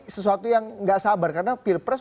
sesuatu yang nggak sabar karena pilpres